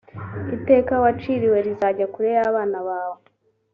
iteka waciriwe rizajya kure y abana bawe